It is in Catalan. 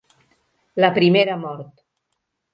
La primera mort!